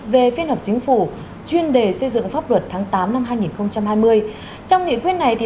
về phiên họp chính phủ chuyên đề xây dựng pháp luật tháng tám năm hai nghìn hai mươi trong nghị quyết này